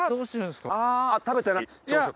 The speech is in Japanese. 食べてない？